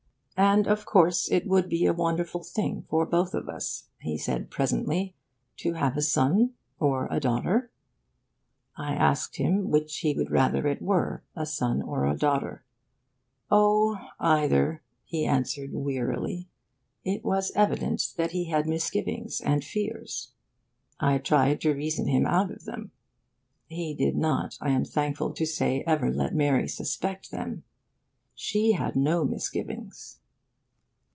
'And of course it would be a wonderful thing, for both of us,' he said presently, 'to have a son or a daughter.' I asked him which he would rather it were, a son or a daughter. 'Oh, either,' he answered wearily. It was evident that he had misgivings and fears. I tried to reason him out of them. He did not, I am thankful to say, ever let Mary suspect them. She had no misgivings.